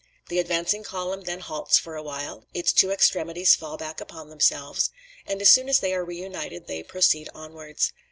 The advancing column then halts for a while; its two extremities fall back upon themselves, and as soon as they are re united they proceed onwards.